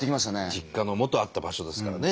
実家のもとあった場所ですからね。